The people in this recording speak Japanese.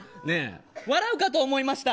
笑うかと思いました。